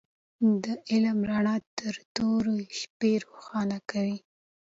د علم رڼا تر تورې شپې روښانه ده.